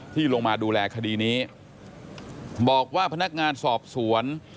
ที่ลงมาดูแลคดีนี้บอกว่าพนักงานสอบสวน